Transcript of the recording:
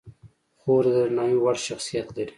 خور د درناوي وړ شخصیت لري.